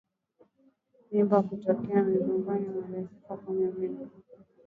Mimba kutoka miongoni mwa majike yenye mimba